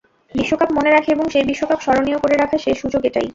বিশ্বকাপ মনে রাখে এবং সেই বিশ্বকাপ স্মরণীয় করে রাখার শেষ সুযোগ এটাই।